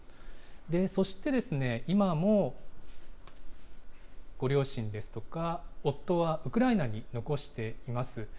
そして、今もご両親ですとか、夫はウクライナに残しています。